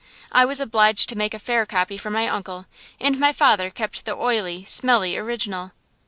I was obliged to make a fair copy for my uncle, and my father kept the oily, smelly original.